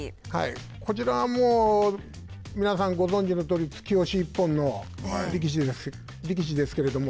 こちらは皆さんご存じのとおりつき押し一本の力士ですけれども。